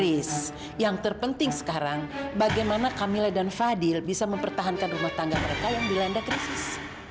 riz yang terpenting sekarang bagaimana fresh dan fadil bisa mempertahankan rumah tangga mereka yang di landar krisis